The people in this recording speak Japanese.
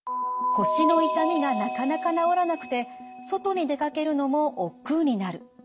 腰の痛みがなかなか治らなくて外に出かけるのもおっくうになる。